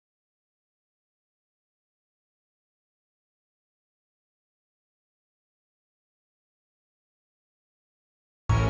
aku kacau sama buri